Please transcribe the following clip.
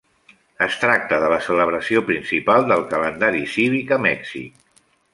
Es tracta de la celebració principal del calendari cívic a Mèxic.